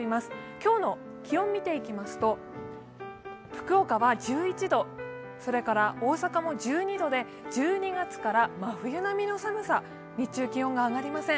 今日の気温見ていきますと福岡は１１度、大阪も１２度で、１２月から真冬並みの寒さ、日中、気温が上がりません。